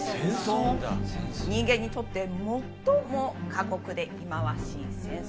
人間にとって最も過酷で忌まわしい戦争。